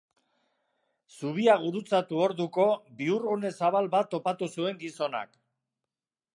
Zubia gurutzatu orduko bihurgune zabal bat topatu zuen gizonak.